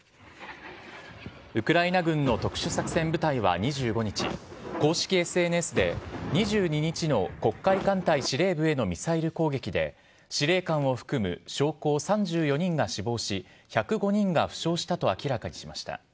ウクライナ軍の特殊作戦部隊は２５日、公式ＳＮＳで、２２日の黒海艦隊司令部へのミサイル攻撃で、司令官を含む将校３４人が死亡し、１０５人が負傷したと明らかにしました。